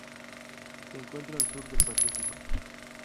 Se encuentra al sur del Pacífico.